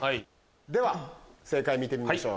では正解見てみましょう。